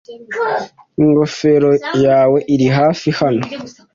Ingofero yawe irihafi hano.